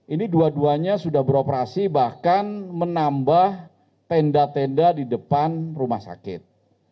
ini dua duanya sudah beroperasi bahkan menambah tenda tenda di depan rumah sakit